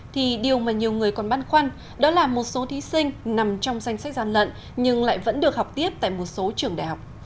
thì điều mà nhiều người còn băn khoăn đó là một số thí sinh nằm trong danh sách gian lận nhưng lại vẫn được học tiếp tại một số trường đại học